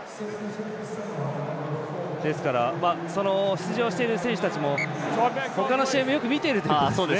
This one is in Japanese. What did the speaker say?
ですからその出場している選手たちも他の試合もよく見てるということですね。